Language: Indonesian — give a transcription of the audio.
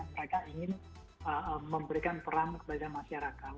mereka ingin memberikan peran kepada masyarakat